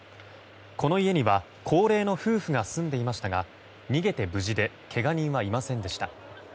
この家には高齢の夫婦が住んでいましたが逃げて無事でけが人はいませんでした。